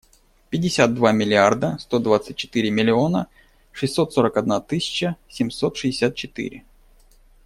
Пятьдесят два миллиарда сто двадцать четыре миллиона шестьсот сорок одна тысяча семьсот шестьдесят четыре.